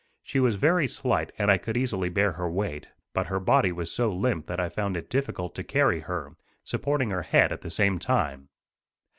She was very slight and I could easily bear her weight; but her body was so limp that I found it difficult to carry her, supporting her head at the same time.